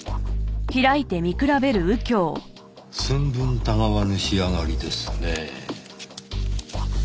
寸分違わぬ仕上がりですねぇ。